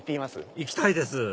行きたいです